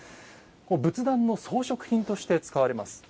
仏壇の装飾品として使われます。